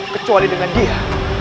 kecuali dengan dia